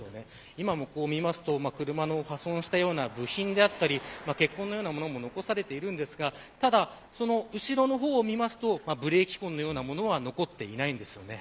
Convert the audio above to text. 今も見ると車の破損したような部品であったり血痕のようなものも残されていますがただ後ろの方を見るとブレーキ痕のようなものは残っていないんです。